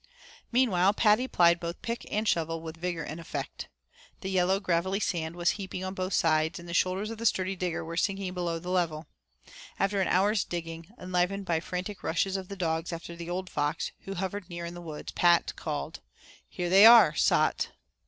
Meanwhile Paddy plied both pick and shovel with vigor and effect. The yellow, gravelly sand was heaping on both sides, and the shoulders of the sturdy digger were sinking below the level. After an hour's digging, enlivened by frantic rushes of the dogs after the old fox, who hovered near in the woods, Pat called: "Here they are, sot!"